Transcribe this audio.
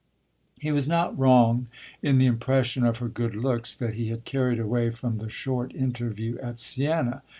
He was not wrong in the impression of her good looks that he had carried away from the short interview at Siena.